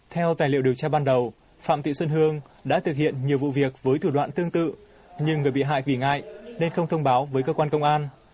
theo tài liệu điều tra ban đầu phạm thị xuân hương đã thực hiện nhiều vụ việc với thủ đoạn tương tự nhưng người bị hại vì ngại nên không thông báo với cơ quan công an